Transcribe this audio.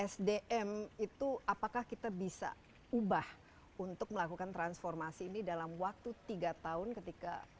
sdm itu apakah kita bisa ubah untuk melakukan transformasi ini dalam waktu tiga tahun ketika